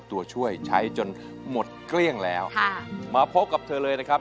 ตัวช่วยใช้จนหมดเกลี้ยงแล้วมาพบกับเธอเลยนะครับ